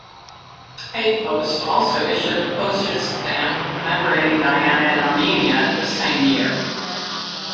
HayPost also issued a postage stamp commemorating Diana in Armenia at the same year.